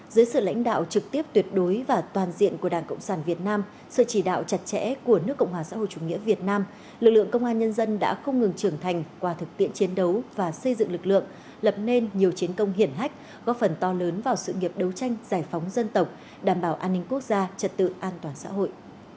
dưới sự lãnh đạo trực tiếp tuyệt đối và toàn diện của đảng cộng sản việt nam sự chỉ đạo chặt chẽ của nước cộng hòa xã hội chủ nghĩa việt nam lực lượng công an nhân dân đã không ngừng trưởng thành qua thực tiện chiến đấu và xây dựng lực lượng lập nên nhiều chiến công hiển hách góp phần to lớn vào sự nghiệp đấu tranh giải phóng dân tộc đảm bảo an ninh quốc gia trật tự an toàn xã hội